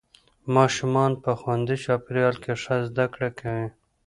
ماشومان په خوندي چاپېریال کې ښه زده کړه کوي